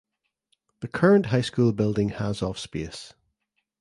The current high school building has of space.